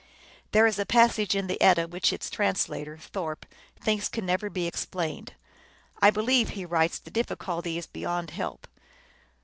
There is a passage in the Edda which its translator, Thorpe, thinks can never be explained. " I believe," he writes, " the difficulty is beyond help."